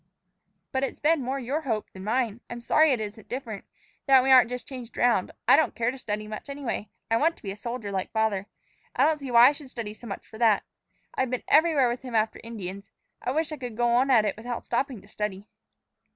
"But it's been more your hope than mine. I'm sorry it isn't different that we aren't just changed around. I don't care to study much, anyway. I want to be a soldier, like father. I don't see why I should study so much for that. I've been everywhere with him after Indians. I wish I could go on at it without stopping to study."